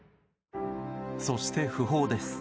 そして訃報です。